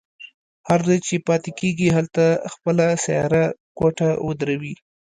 هر ځای چې پاتې کېږي هلته خپله سیاره کوټه ودروي.